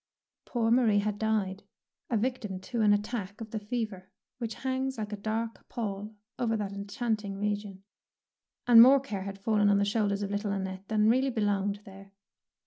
Poor Marie had died, a victim to an attack of the fever which hangs like a dark pall over that enchanting region, and more care had fallen on the shoulders of little Annette than really belonged there.